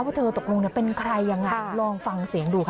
ว่าเธอตกลงเป็นใครยังไงลองฟังเสียงดูค่ะ